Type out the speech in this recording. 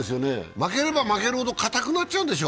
負ければ負けるほどかたくなっちゃうんでしょ？